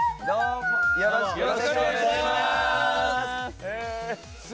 よろしくお願いします！